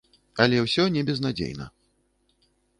Але ўсё не безнадзейна.